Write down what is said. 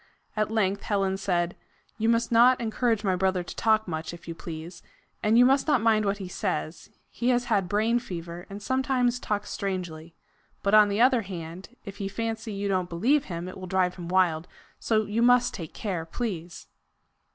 At length Helen said: "You must not encourage my brother to talk much, if you please; and you must not mind what he says; he has had brain fever, and sometimes talks strangely. But on the other hand, if he fancy you don't believe him, it will drive him wild so you must take care please."